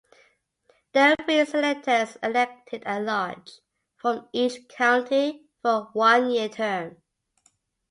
There were three Senators elected at-large from each county for a one-year term.